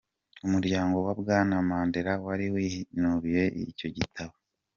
Umuryango wa Bwana Mandela wari winubiye icyo gitabo.